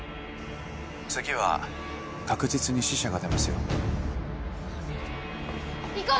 次は確実に死者が出ますよ・行こう